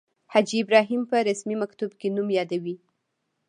حاجي ابراهیم په رسمي مکتوب کې نوم یادوي.